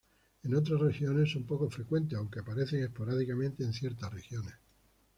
En otras regiones son poco frecuentes, aunque aparecen esporádicamente en ciertas regiones.